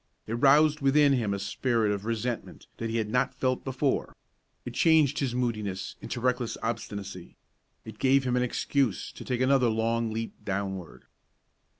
It roused within him a spirit of resentment that he had not felt before; it changed his moodiness into reckless obstinacy; it gave him an excuse to take another long leap downward.